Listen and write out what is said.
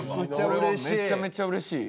俺もめちゃめちゃうれしい。